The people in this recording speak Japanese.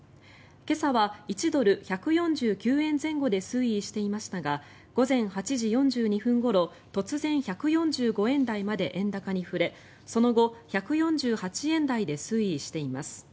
今朝は１ドル＝１４９円前後で推移していましたが午前８時４２分ごろ突然１４５円台まで円高に振れその後、１４８円台で推移しています。